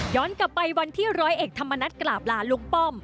กลับไปวันที่ร้อยเอกธรรมนัฐกราบลาลุงป้อม